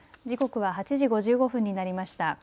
時刻は８時５５分になりました。